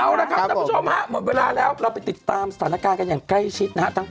เอาละครับท่านผู้ชมฮะหมดเวลาแล้วเราไปติดตามสถานการณ์กันอย่างใกล้ชิดนะฮะ